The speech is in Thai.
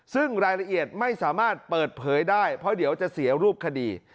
ซึ่งรายละเอียดไม่สามารถเปิดเผยได้เพราะเดี๋ยวจะเสียรูปคดี